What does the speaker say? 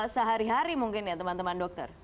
sehari hari mungkin ya teman teman dokter